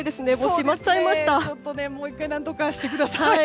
もう１回何とかしてください。